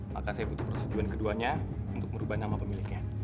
maka saya butuh persetujuan keduanya untuk merubah nama pemiliknya